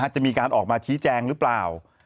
จะมีการออกมาชี้แจงหรือเปล่า